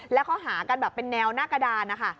แล้วเขาหากันแบบเป็นแนวหน้ากระดานนะคะ